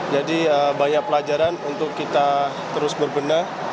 jadi banyak pelajaran untuk kita terus berbenah